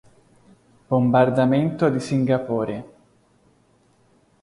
Bombardamento di Singapore